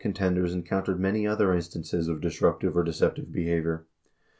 207 contenders encountered many other instances of disruptive or deceptive behavior.